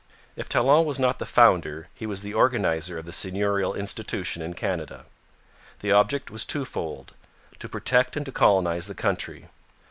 If Talon was not the founder he was the organizer of the seigneurial institution in Canada. The object was twofold to protect and to colonize the country.